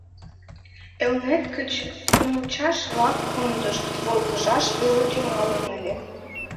— Элнет гыч Курмучаш-влак кондышт, волгыжаш веле тӱҥалын ыле.